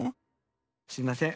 すいません。